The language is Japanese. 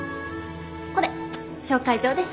これ紹介状です。